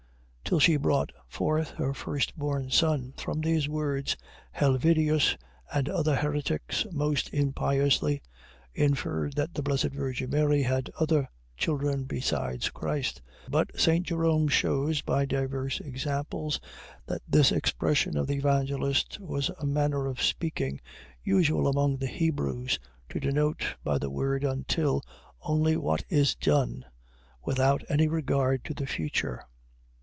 Till she brought forth her firstborn son. . .From these words Helvidius and other heretics most impiously inferred that the blessed Virgin Mary had other children besides Christ; but St. Jerome shews, by divers examples, that this expression of the Evangelist was a manner of speaking usual among the Hebrews, to denote by the word until, only what is done, without any regard to the future.